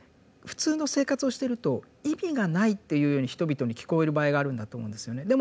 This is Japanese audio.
普通の生活をしてると意味がないというように人々に聞こえる場合があるんだと思うんですよね。